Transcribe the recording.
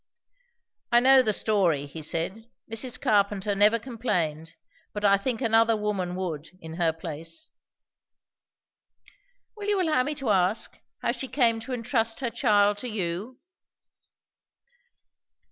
"I know the story," he said. "Mrs. Carpenter never complained; but I think another woman would, in her place." "Will you allow me to ask, how she came to entrust her child to you?"